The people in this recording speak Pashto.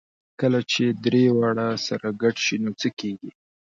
کله چې درې واړه سره ګډ شي نو څه کېږي؟